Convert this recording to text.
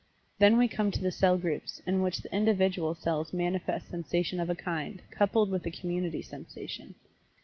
Then we come to the cell groups, in which the individual cells manifest sensation of a kind, coupled with a community sensation.